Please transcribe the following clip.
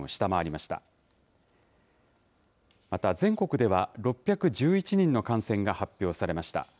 また、全国では６１１人の感染が発表されました。